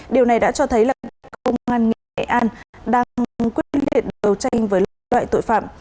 điều này đã cho thấy là công an nghệ an đang quyết định đấu tranh với loại tội phạm